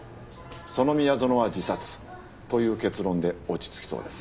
その宮園は自殺という結論で落ち着きそうです。